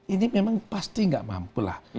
ini memang pasti nggak mampu lah